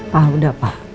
pak udah pak